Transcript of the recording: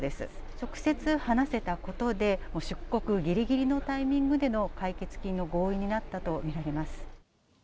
直接話せたことで、出国ぎりぎりのタイミングでの解決金の合意になったと見られます。